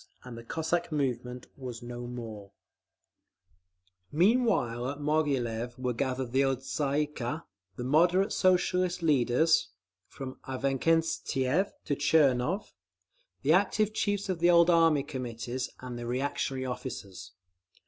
And the Cossack movement was no more…. Meanwhile at Moghilev were gathered the old Tsay ee kah the "moderate" Socialist leaders—from Avksentiev to Tchernov—the active chiefs of the old Army Committees, and the reactionary officers.